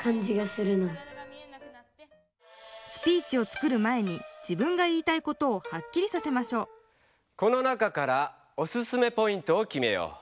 スピーチを作る前に自分が言いたいことをはっきりさせましょうこの中からオススメポイントをきめよう。